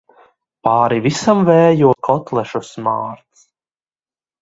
Pāri visam vējo kotlešu smārds.